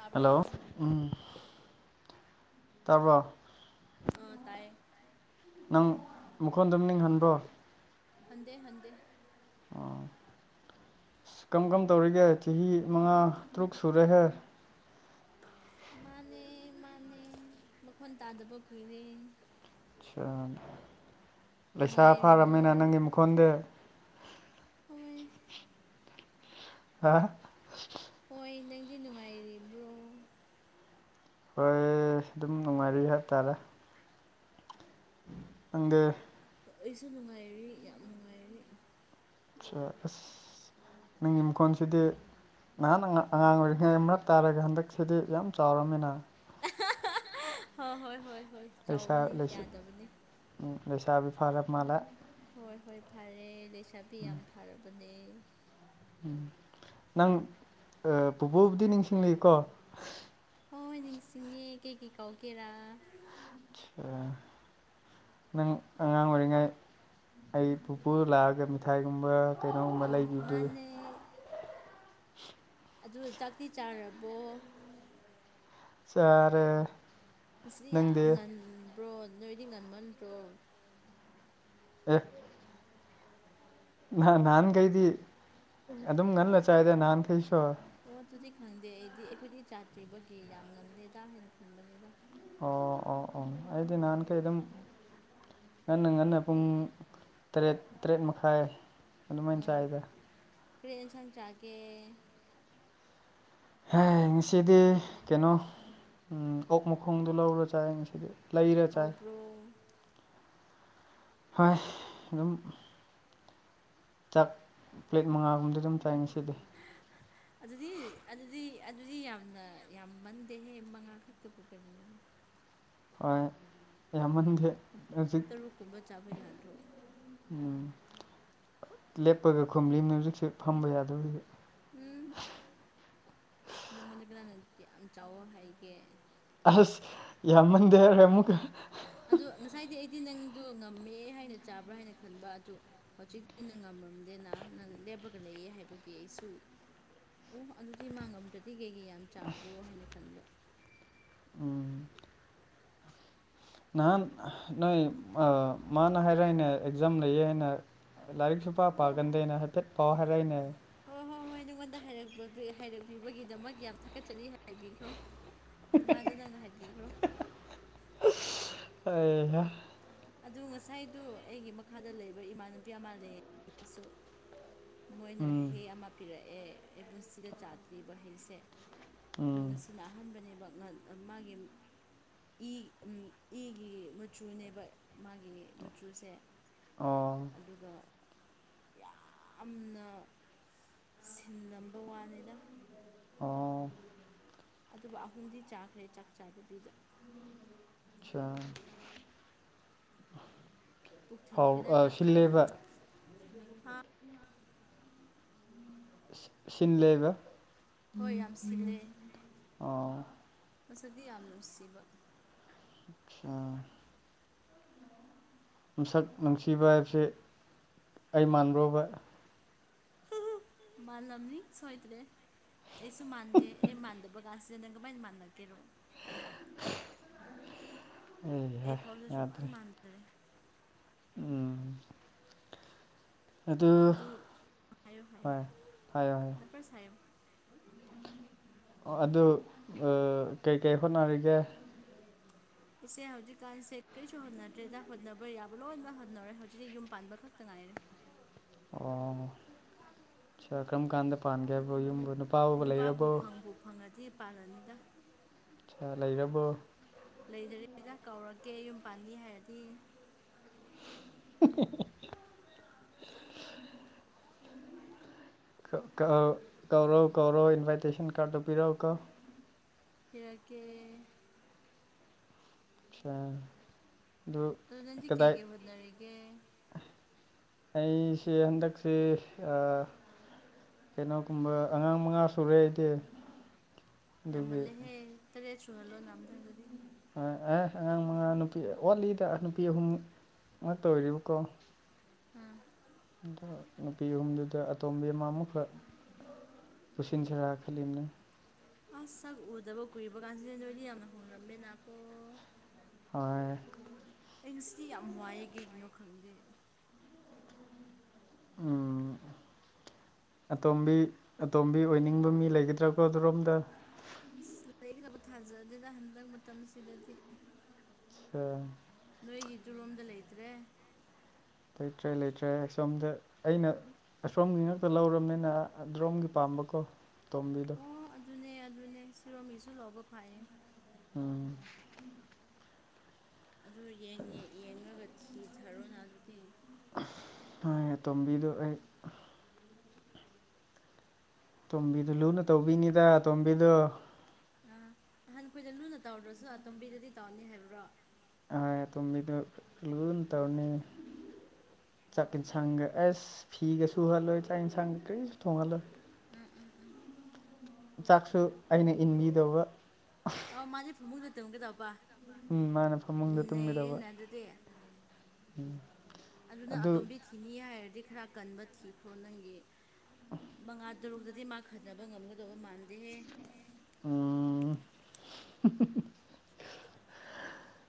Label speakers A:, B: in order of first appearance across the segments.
A: ꯇꯥꯕ꯭ꯔꯣ
B: ꯍꯦꯜꯂꯣ ꯎꯝ ꯇꯥꯔꯕ꯭ꯔꯣ
A: ꯑ ꯇꯥꯏꯌꯦ
B: ꯅꯪ ꯃꯈꯣꯟꯗꯨꯝ ꯅꯤꯡꯍꯟꯕ꯭ꯔꯣ
A: ꯍꯟꯗꯦ ꯍꯟꯗꯦ
B: ꯑꯣ ꯑ ꯀꯔꯝ ꯀꯝ ꯇꯧꯔꯤꯒꯦ ꯆꯍꯤ ꯃꯉꯥ ꯇꯔꯨꯛ ꯁꯨꯔꯦꯍꯦ
A: ꯃꯥꯅꯦ ꯃꯥꯅꯦ ꯃꯈꯣꯟ ꯇꯥꯗꯕ ꯀꯨꯏꯔꯦ
B: ꯑ ꯂꯩꯁꯥ
A: ꯅꯨꯡꯉꯥꯏꯔꯤꯕ꯭ꯔꯣ
B: ꯐꯥꯔꯕꯝꯅꯤꯅ ꯅꯪꯒꯤ ꯃꯈꯣꯟꯗ
A: ꯍꯣꯏ
B: ꯍꯥꯥ
A: ꯍꯣꯏ ꯅꯪꯗꯤ ꯅꯨꯡꯉꯥꯏꯔꯤꯕ꯭ꯔꯣ
B: ꯍꯣꯏ ꯑꯗꯨꯝ ꯅꯨꯡꯉꯥꯏꯔꯤ ꯍꯥꯏꯇꯥꯔꯦ ꯑꯪꯗ
A: ꯑꯩꯁꯨ ꯅꯨꯡꯉꯥꯏꯔꯤ ꯌꯥꯝ ꯅꯨꯡꯉꯥꯏꯔꯤ
B: ꯑꯆꯥ ꯑꯁ ꯅꯪꯒꯤ ꯃꯈꯣꯟꯁꯤꯗꯤ ꯅꯍꯥꯟ ꯑꯉꯥꯡ ꯑꯣꯏꯔꯤꯉꯩ ꯃꯔꯛ ꯇꯥꯔꯒ ꯍꯟꯗꯛꯁꯤꯗꯤ ꯌꯥꯝ ꯆꯥꯎꯔꯕꯝꯃꯤꯅ
A: ꯍꯣ ꯍꯣꯏ ꯍꯣꯏ ꯍꯣꯏ
B: ꯂꯩꯁꯥ
A: ꯆꯥꯎꯕꯅꯤ ꯌꯥꯗꯕꯅꯤ
B: ꯎꯝ ꯂꯩꯁꯥꯕꯤ ꯐꯔ ꯃꯥꯜꯂꯦ
A: ꯍꯣꯏ ꯍꯣꯏ ꯐꯔꯦ ꯂꯩꯁꯥꯕꯤ ꯌꯥꯝ ꯐꯔꯕꯅꯦ
B: ꯎꯝ ꯅꯪ ꯄꯨꯕꯣꯕꯨꯗꯤ ꯅꯤꯡꯁꯤꯡꯂꯤꯀꯣ
A: ꯍꯣꯏ ꯅꯤꯡꯁꯤꯡꯉꯦ ꯀꯩꯀꯩ ꯀꯥꯎꯒꯦꯔꯥ
B: ꯅꯪ ꯑꯉꯥꯡ ꯑꯣꯏꯔꯤꯉꯥꯏ ꯑꯩ ꯄꯨꯄꯨ ꯂꯥꯛꯑꯒ ꯃꯤꯊꯥꯏꯒꯨꯝꯕ ꯀꯩꯅꯣꯒꯨꯝꯕ
A: ꯑꯥ
B: ꯂꯩꯕꯤꯕꯗꯨꯗꯤ
A: ꯃꯥꯅꯦ
B: [inaudible]
A: ꯑꯗꯨ ꯆꯥꯛꯇꯤ ꯆꯥꯔꯕꯣ
B: ꯁꯥꯔ
A: ꯉꯁꯤꯗꯤ ꯌꯥꯝ ꯉꯟꯕ꯭ꯔꯣ ꯅꯣꯏꯗꯤ ꯉꯟꯃꯟꯗ꯭ꯔꯣ
B: ꯑ ꯅꯍꯥꯟ ꯅꯍꯥꯟꯈꯩꯗꯤ ꯑꯗꯨꯝ ꯉꯜꯂ ꯆꯥꯏꯗ ꯅꯍꯥꯟꯈꯩꯁꯨ
A: ꯑꯣ ꯑꯗꯨꯗꯤ ꯈꯪꯗꯦ ꯑꯩꯗꯤ ꯑꯩꯈꯣꯏꯗꯤ ꯆꯥꯇ꯭ꯔꯤꯕꯒꯤ ꯌꯥꯝ ꯉꯜꯂꯦꯗ ꯍꯥꯏꯅ ꯈꯟꯕꯅꯤꯗ
B: ꯑꯣ ꯑꯣ ꯑꯣ ꯑꯩꯗꯤ ꯅꯥꯟ ꯀꯩ ꯑꯗꯨꯝ ꯉꯟꯅ ꯉꯟꯅ ꯄꯨꯡ ꯇꯔꯦꯠ ꯇꯔꯦꯠ ꯃꯈꯥꯏ ꯑꯗꯨꯃꯥꯏꯅ
A: ꯎꯝ
B: ꯆꯥꯏꯗ
A: ꯀꯔꯤꯦꯟ ꯑꯦꯟꯁꯥꯡ ꯆꯥꯒꯦ
B: ꯍ ꯉꯁꯤꯗꯤ ꯀꯩꯅꯣ ꯑꯣꯛ ꯃꯈꯣꯡꯗꯣ ꯂꯧꯔꯣ ꯆꯥꯏ ꯉꯁꯤꯗꯤ ꯂꯩꯔ ꯆꯥꯏ
A: ꯈꯥꯎꯕ꯭ꯔꯣ
B: ꯍꯣꯏ ꯑꯗꯨꯝ ꯆꯥꯛ ꯄ꯭ꯂꯦꯠ ꯃꯉꯥꯒꯨꯝꯕꯗꯤ ꯑꯗꯨꯝ ꯆꯥꯏꯅꯤ ꯁꯤꯗꯤ
A: ꯑꯗꯨꯗꯤ ꯑꯗꯨꯗꯤ ꯑꯗꯨꯗꯤ ꯌꯥꯝꯅ ꯌꯥꯝꯃꯟꯗꯦꯍꯦ ꯃꯉꯥ ꯈꯛꯇꯕꯨ ꯀꯔꯤꯅꯣ
B: ꯍꯣꯏ ꯑꯌꯥꯝꯃꯟꯈꯦ
A: ꯇꯔꯨꯛ ꯀꯨꯝꯕ ꯆꯥꯕ ꯌꯥꯗ꯭ꯔꯣ
B: ꯎꯝ ꯂꯦꯞꯄꯒ ꯈꯣꯨꯝꯂꯤꯅ ꯍꯧꯖꯤꯛꯁꯦ ꯐꯝꯕ ꯌꯥꯗꯣꯏꯁꯦ
A: ꯎꯝ ꯅꯪꯉꯣꯟꯗ ꯀꯅꯥꯅ ꯌꯥꯝ ꯆꯥꯎꯋ ꯍꯥꯏꯒꯦ
B: ꯑꯁ ꯌꯥꯝꯃꯟꯗꯦꯔꯦ ꯑꯃꯨꯛꯀ
A: ꯑꯗꯣ ꯉꯁꯥꯏꯗꯤ ꯑꯩꯗꯤ ꯅꯪꯗꯣ ꯉꯝꯃꯦ ꯍꯥꯏꯅ ꯆꯥꯕ꯭ꯔꯥ ꯍꯥꯏꯅ ꯈꯟꯕ ꯑꯗꯨ ꯍꯧꯖꯤꯛꯇꯤ ꯅ ꯉꯝꯃꯝꯗꯦꯅ ꯅꯪ ꯂꯦꯞꯄꯒ ꯂꯩꯌꯦ ꯍꯥꯏꯕꯒꯤ ꯑꯩꯁꯨ ꯑꯣ ꯑꯗꯨꯗꯤ ꯃꯥꯡꯉꯝꯗ꯭ꯔꯗꯤ ꯀꯩꯀꯩ ꯌꯥꯝ ꯆꯥꯕ꯭ꯔꯣ ꯍꯥꯏꯅ ꯈꯟꯕ
B: ꯎꯝ ꯅꯍꯥꯟ ꯅꯣꯏ ꯃꯥꯅ ꯍꯥꯏꯔ ꯍꯥꯏꯅ ꯑꯦꯛꯖꯥꯝ ꯂꯩꯌꯦ ꯍꯥꯏꯅ ꯂꯥꯏꯔꯤꯛꯁꯨ ꯄꯥ ꯄꯥꯒꯟꯗꯦꯅꯦ ꯍꯥꯏꯐꯦꯠ ꯄꯥꯎ ꯍꯥꯏꯔꯛꯏꯅꯦ
A: ꯍꯣꯏ ꯍꯣꯏ ꯍꯣꯏ ꯅꯪꯉꯣꯟꯗ ꯍꯥꯏꯔꯄ ꯍꯥꯏꯔꯛꯄꯤꯕꯒꯤꯗꯃꯛ ꯌꯥꯝ ꯊꯥꯒꯠꯆꯔꯤ ꯍꯥꯏꯕꯤꯈ꯭ꯔꯣ ꯏꯃꯥꯗ ꯅꯪꯅ ꯍꯥꯏꯕꯤꯈ꯭ꯔꯣ
B: ꯑꯦ
A: ꯑꯗꯨ ꯉꯁꯥꯏꯗꯨ ꯑꯩꯒꯤ ꯃꯈꯥꯗ ꯂꯩꯕ ꯏꯃꯥꯟꯅꯄꯤ ꯑꯃ ꯂꯩꯁꯨ ꯃꯣꯏꯅ
B: ꯎꯝ
A: ꯍꯩ ꯑꯃ ꯄꯤꯔꯛꯑꯦ ꯑꯩ ꯄꯨꯟꯁꯤꯗ ꯆꯥꯗ꯭ꯔꯤꯕ ꯍꯩꯁꯦ ꯑ
B: ꯎꯝ
A: ꯉꯁꯤꯅ ꯑꯍꯥꯟꯕꯅꯦꯕ ꯉ ꯃꯥꯒꯤ ꯏ ꯏꯒꯤ ꯃꯆꯨꯅꯦꯕ ꯃꯥꯒꯤ ꯃꯆꯨꯁꯦ
B: ꯑꯣ
A: ꯑꯗꯨꯒ ꯌꯥꯝꯅ ꯁꯤꯟ ꯅꯝꯕ ꯋꯥꯟꯅꯤꯗ
B: ꯑ
A: ꯑꯗꯨꯕꯨ ꯑꯍꯨꯝꯗꯤ ꯆꯥꯈ꯭ꯔꯦ ꯆꯥꯛ ꯆꯥꯗꯕꯤꯗ
B: ꯑꯆꯥꯥ
A: ꯄꯨꯛ
B: ꯍꯥꯎ
A: ꯊꯟꯈ꯭ꯔꯦꯗ ꯆꯥꯛ
B: ꯁꯤꯜꯂꯦꯕ
A: ꯆꯥꯔꯔꯣꯏꯗ ꯍꯥ
B: ꯁꯤꯟꯂꯦꯕ
A: ꯍꯣꯏ ꯌꯥꯝ ꯁꯤꯜꯂꯦ
B: ꯑꯣ
A: ꯃꯁꯗꯤ ꯌꯥꯝ ꯅꯨꯡꯁꯤꯕ
B: ꯑꯆꯥ ꯃꯤꯁꯛ ꯅꯨꯡꯁꯤꯕ ꯍꯥꯏꯕꯁꯦ ꯑꯩ ꯃꯥꯟꯕꯨꯕ
A: ꯃꯥꯟꯂꯝꯂꯝꯅꯤ ꯁꯣꯏꯗ꯭ꯔꯦ ꯑꯩꯁꯨ ꯃꯥꯟꯗꯦ ꯑꯩ ꯃꯥꯟꯗꯕ ꯀꯥꯟꯁꯤꯗ ꯅꯪ ꯀꯃꯥꯏꯅ ꯃꯥꯟꯅꯀꯦꯔꯣ
B: ꯑꯩꯍꯥ
A: ꯑꯩ ꯐꯥꯎꯗꯦ ꯁꯨꯡꯃꯥꯟ
B: ꯌꯥꯗ꯭ꯔꯦ
A: ꯃꯥꯟꯖꯔꯦ
B: ꯎꯝ
A: ꯑꯗꯨ ꯍꯥꯏꯌꯣ ꯍꯥꯏꯌꯨ
B: ꯍꯣꯏ ꯍꯥꯏꯌꯣ ꯍꯥꯏꯌꯣ
A: ꯗ ꯄ꯭ꯔꯁ ꯍꯥꯏꯌꯣ
B: ꯑꯗꯨ ꯀꯩꯀꯩ ꯍꯣꯠꯅꯔꯤꯒꯦ
A: ꯏꯆꯦ ꯍꯧꯖꯤꯛꯀꯥꯟꯁꯦ ꯀꯔꯤꯁꯨ ꯍꯣꯠꯅꯗ꯭ꯔꯦꯗ ꯍꯣꯠꯅꯕ ꯌꯥꯕ ꯂꯣꯏꯃꯛ ꯍꯣꯠꯅꯔꯦ ꯍꯧꯖꯤꯛꯇꯤ ꯌꯨꯝ ꯄꯥꯟꯕ ꯈꯛꯇ ꯉꯥꯏꯔꯦ
B: ꯑꯣ ꯀꯔꯝ ꯀꯥꯟꯗ ꯄꯥꯟꯒꯦ ꯍꯥꯏꯕ ꯌꯨꯝ
A: ꯅꯨꯄꯥꯕꯨ ꯐꯪꯕꯨ ꯐꯪꯉꯗꯤ ꯄꯥꯜꯂꯅꯤꯗ
B: ꯑ ꯂꯩꯔꯕꯣ
A: ꯂꯩꯗꯔꯤꯗ ꯀꯧꯔꯀꯦ ꯌꯨꯝ ꯄꯥꯟꯕꯤ ꯍꯥꯏꯔꯗꯤ
B: ꯑꯣ ꯀꯧꯔꯣ ꯀꯧꯔꯣ ꯏꯟꯚꯥꯏꯇꯦꯁꯟ ꯀꯥꯔꯗꯗꯨ ꯄꯤꯔꯛꯣ ꯀꯧ
A: ꯈꯔꯀꯦ
B: ꯑꯆꯥ
A: ꯑꯣ ꯅꯪꯗꯤ ꯀꯩꯀꯩ ꯍꯣꯠꯅꯔꯤꯒꯦ
B: ꯑꯩꯁꯦ ꯍꯟꯗꯛꯁꯦ ꯀꯩꯅꯣꯒꯨꯝꯕ ꯑꯉꯥꯡ ꯃꯉꯥ ꯁꯨꯔꯦꯗꯤ
A: ꯌꯥꯝꯃꯜꯂꯦꯍꯦ ꯇꯔꯦꯠ ꯁꯨꯍꯜꯂꯣ ꯅꯍꯝꯊꯪꯗꯗꯤ
B: ꯑ ꯑꯦ ꯑꯉꯥꯡ ꯃꯉꯥ ꯅꯨꯄꯤ ꯑꯣꯠꯂꯤꯗ ꯅꯨꯄꯤ ꯑꯍꯨꯝ ꯑ ꯇ ꯑꯣꯏꯔꯤꯕꯀꯣ
A: ꯎꯝ
B: ꯑꯗ ꯅꯨꯄꯤ ꯑꯍꯨꯝꯗꯨꯗ ꯑꯇꯣꯝꯕꯤ ꯑꯃ ꯑꯃꯨꯛꯈꯛ ꯄꯨꯁꯤꯟꯁꯤꯔꯥ ꯈꯅ
A: ꯑꯁ ꯁꯛ ꯎꯗꯕ ꯀꯨꯏꯔꯤꯕ ꯀꯥꯟꯁꯤꯗ ꯅꯣꯏꯗꯤ ꯌꯥꯝꯅ ꯍꯣꯡꯅꯔꯝꯃꯦꯅꯀꯣ
B: ꯍ
A: ꯑꯩ ꯉꯁꯤꯗꯤ ꯌꯥꯝ ꯋꯥꯏꯑ ꯀꯩꯒꯤꯅꯣ ꯈꯪꯗꯦ
B: ꯎ ꯑꯇꯣꯝꯕꯤ ꯑꯇꯣꯝꯕꯤ ꯑꯣꯏꯅꯤꯡꯕ ꯃꯤ ꯂꯩꯒꯗ꯭ꯔꯥꯀꯣ ꯑꯗꯨꯔꯣꯝꯗ
A: ꯂꯩꯒꯗꯕ ꯊꯥꯖ ꯑꯗꯨꯗ ꯍꯟꯗꯛ ꯃꯇꯝꯁꯤꯗꯗꯤ
B: ꯑ
A: ꯅꯣꯏꯒꯤ ꯇꯨꯔꯣꯝꯗ ꯂꯩꯇ꯭ꯔꯦ
B: ꯂꯩꯇ꯭ꯔꯦ ꯂꯩꯇ꯭ꯔꯦ ꯁꯣꯝꯗ ꯑꯩꯅ ꯑꯁꯣꯝꯒꯤ ꯉꯥꯛꯛꯇ ꯂꯧꯔꯕꯅꯤꯅ ꯑ꯭ꯔꯣꯝꯒꯤ ꯄꯥꯝꯕꯀꯣ ꯇꯣꯝꯕꯤꯗꯣ
A: ꯑꯣ ꯑꯗꯨꯅꯦ ꯑꯗꯨꯅꯦ ꯁꯤꯔꯣꯒꯤꯁꯨ ꯂꯧꯕ ꯐꯥꯏꯌꯦ
B: ꯎꯝ
A: ꯑꯗꯨ ꯌꯦꯡꯉꯒ ꯊꯤꯊꯔꯣꯅ ꯑꯗꯨꯗꯤ
B: ꯍꯣꯏ ꯇꯣꯝꯕꯤꯗꯨꯣ ꯑꯩ ꯇꯣꯝꯕꯤꯗꯨ ꯂꯨꯅ ꯇꯧꯕꯤꯅꯤꯤꯗ ꯇꯣꯝꯕꯤꯗꯣ
A: ꯑ ꯑꯍꯟ ꯑꯩꯈꯣꯏꯗ ꯂꯨꯅ ꯇꯧꯗ꯭ꯔꯁꯨ ꯑꯇꯣꯝꯕꯤꯗꯗꯤ ꯇꯧꯔꯅꯤ ꯍꯥꯏꯕ꯭ꯔꯣ
B: ꯇꯣꯃꯤꯗ ꯂ ꯇꯧꯅꯤ ꯆꯥꯛ ꯌꯦꯟꯁꯥꯡꯒ ꯑꯦꯁ ꯐꯤꯒ ꯁꯨꯍꯜꯂꯣꯏ ꯆꯥꯛ ꯌꯦꯟꯁꯥꯡꯒ ꯀꯔꯤꯁꯨ ꯊꯣꯡꯍꯜꯂꯣꯏ
A: ꯎꯝ ꯎꯝ
B: ꯆꯥꯛꯁꯨ ꯑꯩꯅ ꯏꯟꯕꯤꯗꯧꯕ
A: ꯑ ꯃꯥꯁꯦ ꯐꯃꯨꯗ ꯇꯝꯒꯦ ꯇꯧꯕ
B: ꯎ ꯃꯥꯅ ꯐꯃꯨꯡꯗ ꯇꯨꯝꯒꯗꯕ
A: ꯗꯦ ꯑꯗꯨꯅ
B: ꯑꯗꯨ
A: ꯑꯇꯣꯝꯕꯤ ꯊꯤꯅꯤ ꯍꯥꯏꯔꯗꯤ ꯈꯔ ꯀꯟꯕ ꯊꯤꯈ꯭ꯔꯣ ꯅꯪꯒꯤ ꯃꯉꯥ ꯇꯔꯨꯛꯇꯗꯤ ꯃꯥ ꯈꯟꯅꯕ ꯉꯝꯒꯗꯕ ꯃꯥꯟꯗꯦꯍꯦ
B: ꯎꯝ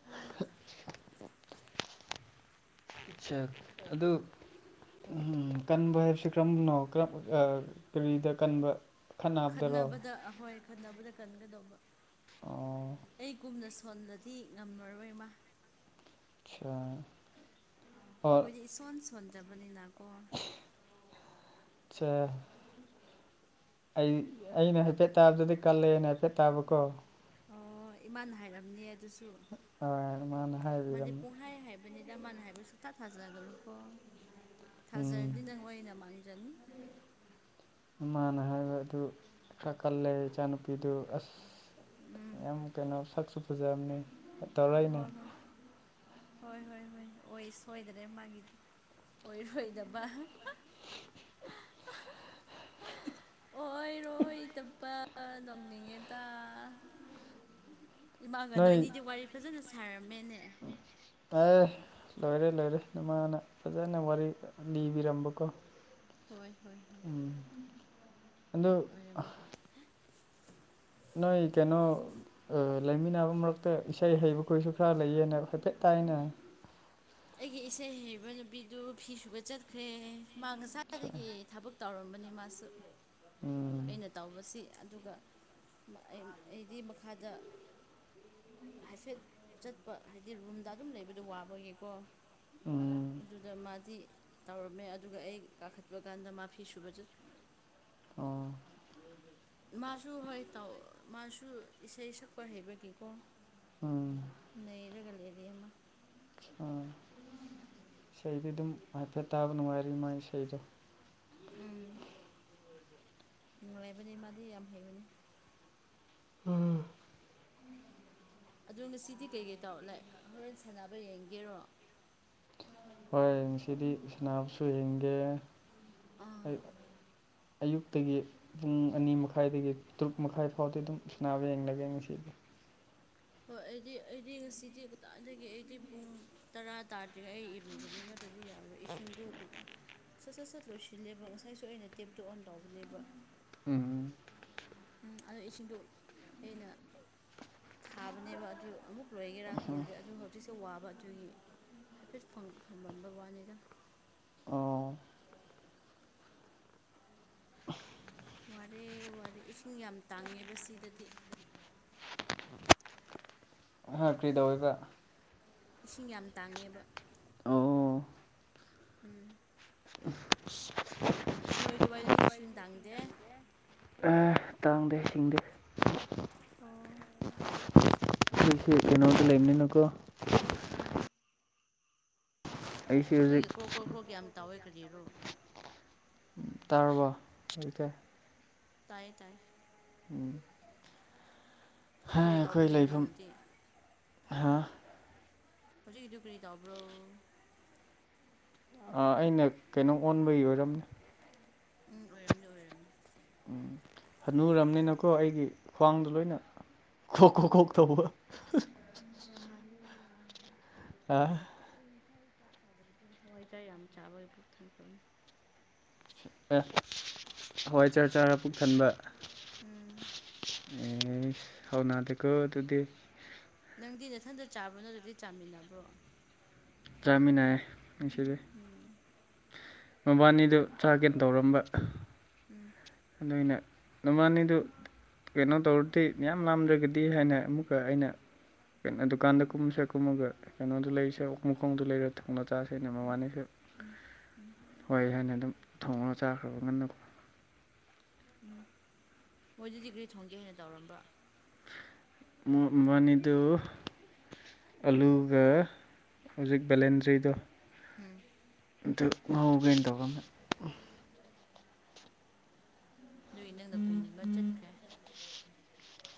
A: ꯎꯝ
B: ꯑꯆꯥ ꯑ ꯎ ꯀꯟꯕ ꯍꯥꯏꯕꯁꯤ ꯀꯔꯝꯕꯅꯣ ꯀꯔꯝ ꯀꯔꯤꯗ ꯀꯟꯕ ꯈꯠ ꯅꯥꯕꯗꯔꯣ
A: ꯈꯠꯅꯕꯗ ꯑꯍꯣꯏ ꯈꯠꯅꯕꯗ ꯀꯟꯒꯗꯧꯕ
B: ꯑꯣ
A: ꯑꯩꯒꯨꯝꯅ ꯁꯣꯟꯕꯗꯤ ꯉꯝꯃꯔꯣꯏ ꯏꯃꯥ
B: ꯑꯥ
A: ꯑꯩꯈꯣꯏꯗꯤ ꯏꯁꯣꯟ ꯁꯣꯟꯗꯕꯅꯤꯅꯀꯣ
B: ꯑꯆꯥ ꯑꯩ ꯑꯩꯅ ꯍꯥꯏꯐꯦꯠ ꯇꯥꯕꯗꯗꯤ ꯀꯜꯂꯦꯅ ꯍꯥꯏꯐꯦꯠ ꯇꯥꯕꯀꯣ
A: ꯑꯣ ꯏꯃꯥꯅ ꯍꯥꯏꯔꯝꯅꯦ ꯑꯗꯨꯁꯨ
B: ꯍꯣꯏ ꯃꯥꯅ
A: ꯃꯥꯗꯤ
B: ꯍꯥꯏꯕꯤꯔꯝꯃꯤ
A: ꯄꯨꯡꯍꯥꯏ ꯍꯥꯏꯕꯅꯤꯗꯃꯅ ꯍꯥꯏꯕꯁꯨ ꯐꯇꯥ ꯊꯥꯖꯒꯅꯨꯀꯣ
B: ꯎꯝ
A: ꯊꯥꯖꯔꯗꯤ ꯅꯪ ꯑꯣꯏꯅ ꯃꯥꯡꯖꯅꯤ
B: ꯏꯃꯥꯅ ꯍꯥꯏꯕ ꯑꯗꯨ ꯈꯔ ꯀꯜꯂꯦ ꯏꯆꯥꯅꯨꯄꯥ ꯐꯤꯗꯨ ꯑꯁ
A: ꯎꯝ
B: ꯌꯥꯝ ꯀꯩꯅꯣ ꯁꯛꯁꯨ ꯐꯖꯕꯅꯤ ꯇꯧꯔꯛꯏꯅꯦ
A: ꯍꯣꯏ ꯍꯣꯏ ꯍꯣꯏ ꯍꯣꯏ ꯍꯣꯏ ꯁꯣꯏꯗ꯭ꯔꯦ ꯃꯥꯒꯤꯗꯤ ꯑꯣꯏꯔꯣꯏꯗꯕ
B: [inaudible]
A: ꯑꯣꯏꯔꯣꯏ ꯇꯞꯄ ꯅꯧꯅꯤꯡꯉꯦ ꯇ ꯏꯃꯥꯟꯒ ꯅꯣꯏ ꯑꯅꯤꯗꯤ ꯋꯥꯔꯤ ꯐꯖꯅ ꯁꯥꯔꯝꯃꯦꯅꯦ
B: ꯑ ꯂꯣꯏꯔꯦ ꯂꯣꯏꯔꯦ ꯑꯗꯨ ꯃꯥꯅ ꯐꯖꯅ ꯋꯥꯔꯤ ꯂꯤꯕꯤꯔꯝꯕꯀꯣ
A: ꯍꯣꯏ ꯍꯣꯏ ꯍꯣꯏ
B: ꯑꯗꯣ ꯅꯣꯏ ꯀꯩꯅꯣ ꯑꯥ ꯂꯩꯃꯤꯟꯅꯕ ꯃꯔꯛꯇ ꯏꯁꯩ ꯍꯩꯕꯈꯣꯏꯁꯨ ꯈꯔ ꯂꯩꯌꯦꯅ ꯍꯥꯏꯐꯦꯠ ꯇꯥꯏꯅ
A: ꯑꯩꯒꯤ ꯏꯁꯩ ꯍꯩꯕ ꯅꯨꯄꯤꯗꯨ ꯐꯤ ꯁꯨꯕ ꯆꯠꯈ꯭ꯔꯦ ꯃꯥ
B: ꯁ
A: ꯉꯁꯥꯏꯗꯒꯤ ꯊꯕꯛ ꯇꯧꯔꯝꯕꯅꯤ ꯃꯥꯁꯨ
B: ꯎꯝ
A: ꯑꯩꯅ ꯇꯧꯕꯁꯤ ꯑꯗꯨꯒ ꯃ ꯑ ꯑꯩꯗꯤ ꯃꯈꯥꯗ ꯍꯥꯏꯐꯦꯠ ꯆꯠꯄ ꯍꯥꯏꯗꯤ ꯔꯨꯝꯗ ꯑꯗꯨꯝ ꯂꯩꯕꯗꯣ ꯋꯥꯕꯒꯤꯀꯣ
B: ꯎꯝ
A: ꯑꯗꯨꯗ ꯃꯥꯗꯤ ꯇꯧꯔꯝꯃꯦ ꯑꯗꯨꯒ ꯑꯩ ꯀꯥꯈꯠꯄ ꯀꯥꯟꯗ ꯃꯥ ꯐꯤ ꯁꯨꯕ ꯆꯠꯈ꯭ꯔ‌ꯦ
B: ꯑꯣ
A: ꯃꯥꯁꯨ ꯍꯣꯏ ꯇꯧ ꯃꯥꯁꯨ ꯏꯁꯩ ꯁꯛꯄ ꯍꯩꯕꯒꯤꯀꯣ
B: ꯎꯝ
A: ꯅꯩꯔꯒ ꯂꯩꯔꯤ ꯑꯃ
B: ꯑ ꯏꯁꯩꯗꯤ ꯑꯗꯨꯝ ꯍꯥꯏꯐꯦꯠ ꯇꯥꯕ ꯅꯨꯡꯉꯥꯏꯔꯤ ꯃꯥꯒꯤ ꯏꯁꯩꯗꯣ
A: ꯎꯝ ꯅꯨꯡꯉꯥꯏꯕꯅꯦ ꯃꯥꯗꯤ ꯌꯥꯝ ꯍꯩꯕꯅꯤ
B: ꯎꯝ
A: ꯑꯗꯣ ꯉꯁꯤꯗꯤ ꯀꯩꯀꯩ ꯇꯧꯔꯣꯅꯦ ꯍꯣꯔꯦꯟ ꯁꯥꯟꯅꯕ ꯌꯦꯡꯒꯦꯔꯣ
B: ꯍꯣꯏ ꯉꯁꯤꯗꯤ ꯁꯥꯟꯅꯕꯁꯨ ꯌꯦꯡꯒꯦ
A: ꯑꯥ
B: ꯑꯩ ꯑꯌꯨꯛꯇꯒꯤ ꯄꯨꯡ ꯑꯅꯤ ꯃꯈꯥꯏꯗꯒꯤ ꯇꯔꯨꯛ ꯃꯈꯥꯏ ꯐꯥꯎꯗꯤ ꯑꯗꯨꯝ ꯁꯥꯅꯕ ꯌꯦꯡꯂꯒꯦ ꯉꯁꯤꯗꯤ
A: ꯍꯣꯏ ꯑꯩꯗꯤ ꯑꯩꯗꯤ ꯉꯁꯤꯗꯤ ꯀꯗꯥꯗꯒꯤ ꯑꯩꯗꯤ ꯄꯨꯡ ꯇꯔꯥ ꯇꯥꯗ꯭ꯔꯤꯉꯩ ꯑꯩ ꯏꯔꯨꯕꯅꯤꯅ ꯑꯗꯨꯗꯤ ꯌꯥꯔꯣꯏ ꯏꯁꯤꯡꯗꯨ ꯁꯠ ꯁꯠ ꯁꯠ ꯂꯣꯏꯁꯤꯜꯂꯦꯕ ꯉꯁꯥꯏꯁꯨ ꯑꯩꯅ ꯇꯦꯞꯇꯣ ꯑꯣꯟ ꯇꯧꯕꯅꯦꯕ
B: ꯎꯝ
A: ꯎꯝ ꯑꯗꯨ ꯏꯁꯤꯡꯗ ꯑꯩꯅ ꯊꯥꯕꯅꯦꯕ ꯑꯗꯨ ꯑꯃꯨꯛ ꯂꯣꯏꯒꯦꯔꯥ ꯈꯪꯗꯦ ꯑꯗꯨ ꯍꯧꯖꯤꯛꯁꯦ ꯋꯥꯕ ꯑꯗꯨꯒꯤ ꯍꯥꯏꯐꯦꯠ ꯐꯝ ꯊꯃꯝꯕ ꯋꯥꯅꯤꯗ
B: ꯑꯣ
A: ꯋꯥꯔꯦ ꯋꯥꯔꯦ ꯏꯁꯤꯡ ꯌꯥꯝ ꯇꯥꯡꯉꯦꯕ ꯁꯤꯗꯗꯤ
B: ꯑꯩ ꯀ꯭ꯔꯤꯗꯧꯏꯕ
A: ꯏꯁꯤꯡ ꯌꯥꯝ ꯇꯥꯡꯉꯦꯕ
B: ꯑꯣ
A: ꯎꯝ ꯅꯣꯏ ꯑꯗꯨꯋꯥꯏꯗꯨꯗꯤ ꯏꯁꯤꯡ ꯇꯥꯡꯗꯦ
B: ꯇꯥꯡꯗ‌ꯦ ꯍꯤꯡꯗꯦ
A: ꯑꯣ
B: ꯅꯪꯁꯤ ꯀꯩꯅꯣꯗ ꯂꯩ ꯅꯤꯅꯀꯣ
A: ꯑꯝ
B: ꯑꯩꯁꯦ ꯍꯧꯖꯤꯛ
A: ꯅꯣꯏꯒꯤ ꯀ꯭ꯔꯣꯛ ꯀ꯭ꯔꯣꯛ ꯀ꯭ꯔꯣꯛ ꯌꯥꯝ ꯇꯥꯎꯋꯦ ꯀꯔꯤꯔꯣ
B: ꯇꯥꯔꯕ‌ꯣ ꯍꯧꯖꯤꯛꯇ‌ꯦ
A: ꯇꯥꯏꯌꯦ ꯇꯥꯏ
B: ꯎꯝ ꯍꯥ
A: ꯀꯔꯤ
B: ꯑꯩꯈꯣꯏ
A: ꯇꯥꯎꯕꯒꯤꯅꯣ
B: ꯂꯩꯐꯝ
A: ꯅꯪꯅꯗꯤ
B: ꯍꯥ
A: ꯍꯧꯖꯤꯛꯒꯤꯗꯨ ꯀꯔꯤ ꯇꯧꯕ꯭ꯔ‌ꯣ
B: ꯑꯥ ꯑꯩꯅ ꯀꯩꯅꯣ ꯑꯣꯟꯕꯒꯤ ꯑꯣꯏꯔꯝꯅꯤ
A: ꯎꯝ ꯑꯣꯏꯔꯝꯅꯤ ꯑꯣꯏꯔꯝꯅꯤ
B: ꯍꯅꯨꯔꯝꯅꯤꯅꯀꯣ ꯑꯩꯒꯤ ꯈ꯭ꯋꯥꯡꯗꯣ ꯂꯣꯏꯅ
A: ꯎꯝ
B: ꯈꯣꯛ ꯈꯣꯛ
A: ꯎꯝ
B: ꯈꯣꯛ ꯇꯧꯕ
A: ꯎꯝ ꯌꯥꯝ ꯃꯥꯜꯂꯦ ꯌꯥꯝ ꯃꯥꯜꯂꯦ
B: ꯑꯥ
A: ꯑꯩ ꯉꯁꯥꯏ ꯆꯥꯛ ꯆꯥꯗꯕꯗꯨ ꯍꯋꯥꯏꯖꯥꯔ ꯌꯥꯝ ꯆꯥꯕꯒꯤ ꯄꯨꯛ ꯊꯟꯈ꯭ꯔꯕꯅꯤ
B: ꯑꯦ ꯍꯋꯥꯏꯆꯥꯔ ꯆꯥꯔ ꯄꯨꯛ ꯊꯟꯕ
A: ꯎꯝ
B: ꯑꯦ ꯍꯥꯎꯅꯥꯗꯀꯣ ꯑꯗꯨꯗꯤ
A: ꯅꯪꯗꯤ ꯅꯊꯟꯗ ꯆꯥꯕ꯭‌ꯔꫭ ꯅꯗꯨꯗꯤ ꯆꯥꯃꯤꯟꯅꯕ꯭ꯔꯣ꯫
B: ꯆꯥꯃꯤꯟꯅꯌꯦ ꯉꯁꯤꯗꯤ
A: ꯎꯝ
B: ꯃꯕꯥꯅꯤꯗꯨ ꯆꯥꯒ‌ꯦ ꯇꯧꯔꯝꯕ
A: ꯎꯝ
B: ꯑꯗꯨ ꯑꯩꯅ ꯅꯕꯅꯤꯗꯨ ꯀꯩꯅꯣ ꯇꯧꯔꯗꯤ ꯃꯌꯥ ꯂꯥꯝꯗ꯭ꯔꯒꯗꯤ ꯍꯥꯏꯅ ꯑꯃꯨꯛꯀ ꯑꯩꯅ ꯀꯩꯅꯣ ꯗꯨꯀꯥꯟꯗ ꯀꯨꯝꯃꯁꯦ ꯀꯨꯝꯃꯒ ꯀꯩꯅꯣꯗꯨ ꯂꯩꯔꯤꯁꯦ ꯃꯈꯣꯡꯗꯨ ꯂꯩꯔ ꯊꯣꯡꯂꯥ ꯆꯁ‌ꯦꯅ ꯃꯕꯥꯅꯤꯁꯨ
A: ꯎꯝ ꯎꯝ
B: ꯍꯣꯏ ꯍꯥꯏꯅ ꯑꯗꯨꯝ ꯊꯣꯡꯉ ꯆꯥꯈ꯭ꯔꯕ ꯉꯟꯅꯀꯣ
A: ꯎꯝ ꯃꯣꯏꯗꯗꯤ ꯀ꯭ꯔꯤ ꯊꯣꯡꯒꯦ ꯍꯥꯏꯅ ꯇꯧꯔꯝꯕ
B: ꯃꯥ ꯃꯥꯅꯤꯗꯨ ꯑꯂꯨꯒ ꯍꯧꯖꯤꯛ ꯕꯦꯂꯦꯟꯗ꯭ꯔꯤꯗꯣ
A: ꯎꯝ
B: ꯑꯗꯨ ꯉꯧꯒ‌ꯦꯅ ꯇꯧꯔꯝꯕꯅꯦ
A: ꯗꯨꯏ ꯅꯪꯅ ꯀꯨꯝꯕ ꯆꯠꯈ꯭ꯔꯦ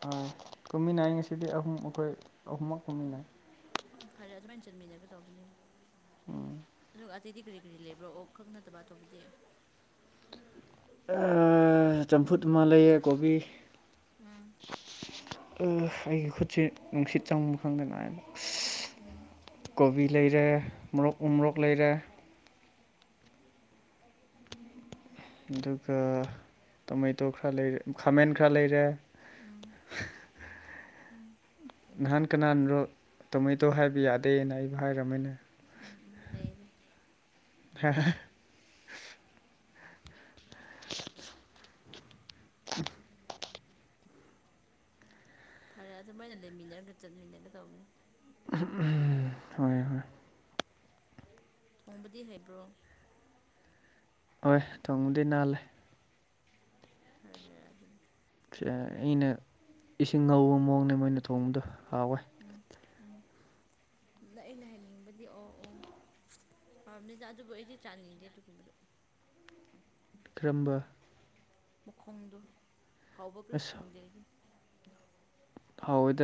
B: ꯑꯥ ꯀꯨꯝꯃꯤꯅꯩ ꯉꯁꯤꯗꯤ ꯑꯍꯨꯝ ꯑꯈꯣꯏ ꯑꯍꯨꯝꯃꯛ ꯀꯨꯝꯃꯤꯅꯩ
A: ꯎꯝ ꯐꯔꯦ ꯑꯗꯨꯃꯥꯏꯅ ꯆꯟꯃꯤꯟꯅꯒꯗꯧꯕꯅꯦ
B: ꯎꯝ
A: ꯑꯗꯨꯒ ꯑꯇꯩꯗꯤ ꯀꯔꯤ ꯀꯔꯤ ꯂꯩꯕ꯭ꯔꯣ ꯑꯣꯛ ꯈꯛ ꯅꯠꯇꯕ ꯑꯇꯣꯞꯄꯗꯤ
B: ꯑꯥ ꯆꯝꯐꯨꯠ ꯑꯃ ꯂꯩꯌꯦ ꯀꯣꯕꯤ
A: ꯎꯝ
B: ꯎꯝ ꯑꯩꯒꯤ ꯈꯨꯠꯁ‌ꯦ ꯅꯨꯡꯁꯤꯠ ꯆꯪꯕ ꯈꯪꯗ‌ꯦ ꯅꯥꯏꯌ‌ꯦ
A: ꯎꯝ
B: ꯀꯣꯕꯤ ꯂꯩꯔꯦ ꯃꯣꯔꯣꯛ ꯎꯃꫭꯔꯣꯛ ꯂꯩꯔꯦ ꯑꯗꯨꯒ ꯇꯣꯃꯦꯇꯣ ꯈꯔ ꯂꯩꯔꯦ ꯈꯥꯃꯦꯟ ꯈꯔ ꯂꯩꯔꯦ
A: ꯎꯝ ꯎꯝ
B: ꯅꯍꯥꯟ ꯀꯅꯥꯅꯔꯣ ꯇꯣꯃꯦꯇꯣ ꯍꯥꯏꯕ ꯌꯥꯗꯦꯅ ꯑꯩꯕꯨ ꯍꯥꯏꯔꯝꯃꯤꯅꯦ
A: ꯎꯝ ꯎꯝ ꯂꯩꯌ‌ꯦꯅꯦ
B: [unintelligible]
A: ꯐꯔꯦ ꯑꯗꯨꯃꯥꯏꯅ ꯂꯩꯃꯤꯟꯅꯔꯒ ꯆꯠꯃꯤꯟꯅꯒꯗꯧꯕꯅꯤ
B: [inaudible] ꯍꯣꯏ ꯍꯣꯏ
A: ꯊꯣꯡꯕꯗꯤ ꯍꯩꯕ꯭ꯔꯣ
B: ꯑꫭꯏ ꯊꯣꯡꯕꯗꯤ ꯅꯥꯜꯂꯦ
A: ꯐꯔꯦ ꯑꯗꯨꯗꯤ
B: ꯁ‌ꯦ ꯑꯩꯅ ꯏꯁꯤꯡ ꯉꯧꯕ ꯃꯑꯣꯡꯗ ꯃꯣꯏꯅ ꯊꯣꯡꯕꯗꯣ ꯍꯥꯎꯋꯦ
A: ꯎꯝ ꯎꯝ ꯑꯗꯨꯗ ꯑꯩꯅ ꯍꯥꯏꯅꯤꯡꯕꯗꯤ ꯑꯣ ꯑꯣ ꯍꯥꯎꯔꯝꯅꯤꯗ ꯑꯗꯨꯕꯨ ꯑꯩꯗꯤ ꯆꯥꯅꯤꯡꯗꯦ ꯑꯗꯨꯒꯨꯝꯕꯗꯣ
B: ꯀꯔꯝꯕ
A: ꯃꯈꯣꯡꯗꯣ ꯍꯥꯎꯕ ꯀꯔꯤꯁꯨ
B: ꯑꯁ
A: ꯈꯪꯗꯦ ꯑꯩꯗ‌ꯤ
B: ꯍꯥꯎꯑꯦꯗꯥ